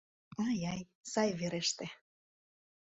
Ай-ай, сай вереште!